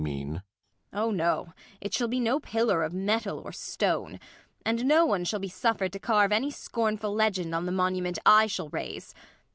] Oh, no, it shall be no pillar of metal or stone. And no one shall be suffered to carve any scornful legend on the monument I shall raise.